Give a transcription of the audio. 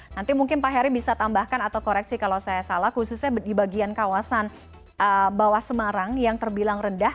nanti mungkin pak heri bisa tambahkan atau koreksi kalau saya salah khususnya di bagian kawasan bawah semarang yang terbilang rendah